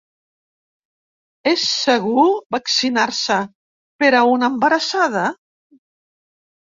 És segur vaccinar-se per a una embarassada?